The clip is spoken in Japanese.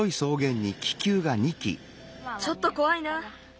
ちょっとこわいな。